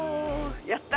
やった。